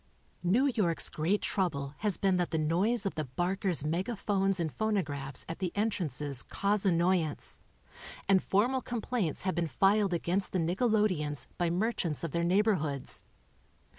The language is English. New York's great trouble has been that the noise of the "barkers' " megaphones and phonographs at the entrances cause annoyance, and formal complaints have been filed against the nickelodeeons by merchants of their neighborhoods.